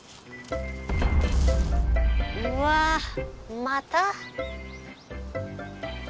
うわまた？